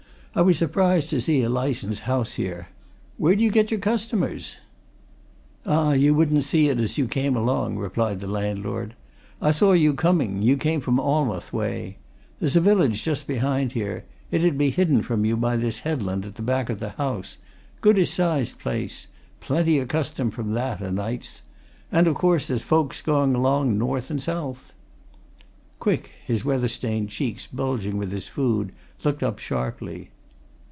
"I was surprised to see a licensed house here. Where do you get your customers?" "Ah, you wouldn't see it as you came along," replied the landlord. "I saw you coming you came from Alnmouth way. There's a village just behind here it 'ud be hidden from you by this headland at back of the house goodish sized place. Plenty o' custom from that, o' nights. And of course there's folks going along, north and south." Quick, his weather stained cheeks bulging with his food, looked up sharply.